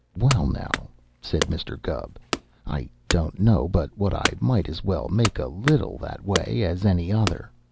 "Well, now," said Mr. Gubb, "I don't know but what I might as well make a little that way as any other.